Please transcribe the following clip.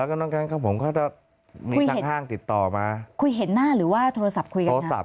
แล้วก็น้องแก๊งของผมก็จะมีทางห้างติดต่อมาคุยเห็นหน้าหรือว่าโทรศัพท์คุยกันโทรศัพ